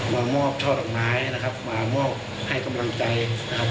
มามอบช่อดอกไม้นะครับมามอบให้กำลังใจนะครับ